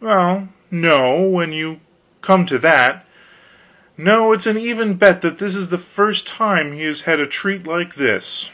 "Well, no when you come to that. No, it's an even bet that this is the first time he has had a treat like this."